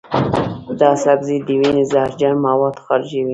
دا سبزی د وینې زهرجن مواد خارجوي.